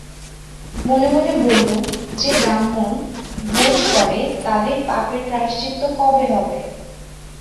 মনে মনে বললুম, যে ব্রাহ্মণ ভোজন করে তাদের পাপের প্রায়শ্চিত্ত কবে হবে?